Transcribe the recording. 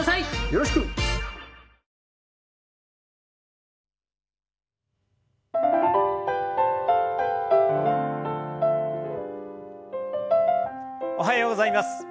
よろしく！おはようございます。